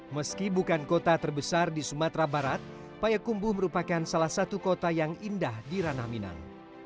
meski bukan kota terbesar di sumatera barat payakumbuh merupakan salah satu kota yang indah di ranah minang